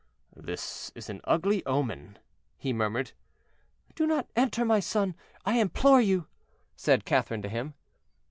"This is an ugly omen," he murmured. "Do not enter, my son, I implore you," said Catherine to him.